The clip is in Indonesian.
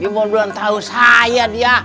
bimbon belum tau saya dia